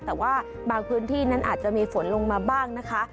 แต่ว่าบางพื้นที่นั้นอาจจะมีฝนลงมาบ้างนะคะ